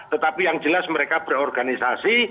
tetapi yang jelas mereka berorganisasi